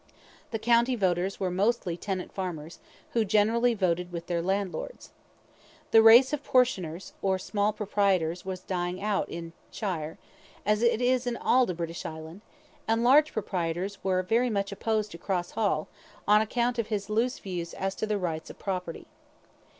The county voters were mostly tenant farmers, who generally voted with their landlords. The race of portioners, or small proprietors, was dying out in shire, as it is in all the British island, and large proprietors were very much opposed to Cross Hall, on account of his loose views as to the rights of property.